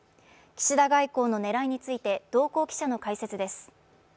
岸田外交の狙いについて同行記者の解説です。